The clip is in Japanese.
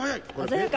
鮮やか。